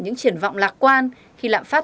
những triển vọng lạc quan khi lạm phát